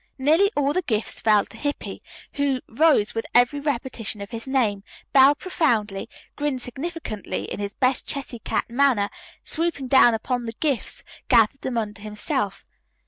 Nearly all the gifts fell to Hippy, who rose with every repetition of his name, bowed profoundly, grinned significantly in his best Chessy cat manner and, swooping down upon the gifts, gathered them unto himself.